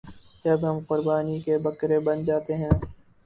جب ہم قربانی کے بکرے بن جاتے ہیں۔